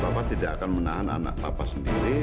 bapak tidak akan menahan anak papa sendiri